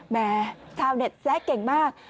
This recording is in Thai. แหมชาวเน็ตแซะเก่งมาก